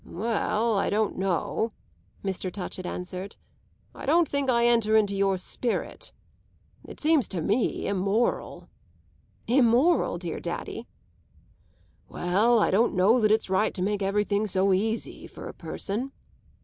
"Well, I don't know," Mr. Touchett answered. "I don't think I enter into your spirit. It seems to me immoral." "Immoral, dear daddy?" "Well, I don't know that it's right to make everything so easy for a person."